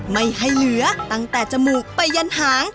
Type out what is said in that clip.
ไม่ให้เหลือตั้งแต่จมูกไปยันหาง